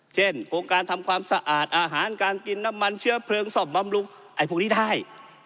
เช่นโครงการทำความสะอาดอาหารการกินน้ำมันเชื้อเพลิงซ่อมบำรุงไอ้พวกนี้ได้